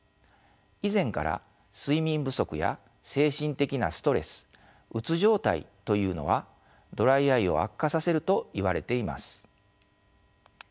以前から睡眠不足や精神的なストレスうつ状態というのはドライアイを悪化させるといわれています。